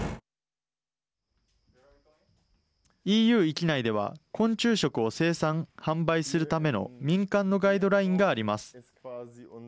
ＥＵ域内では昆虫食を生産・販売するための民間のガイドラインがあります。